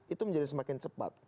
itu menjadi semakin cepat